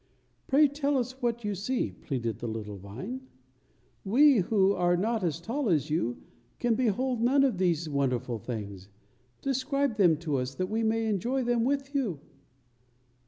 "Pray tell us what you see," pleaded a little vine; "we who are not as tall as you can behold none of these wonderful things. Describe them to us, that we may enjoy them with you."